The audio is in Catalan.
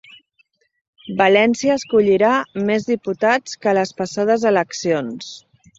València escollirà més diputats que a les passades eleccions